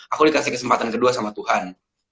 aku dikasih kesempatan kedua sama tuhan